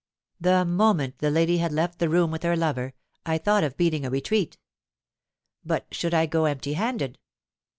"The moment the lady had left the room with her lover, I thought of beating a retreat. But should I go empty handed?